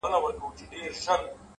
پر جبين باندې لښکري پيدا کيږي؛